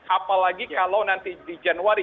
apalagi kalau nanti di januari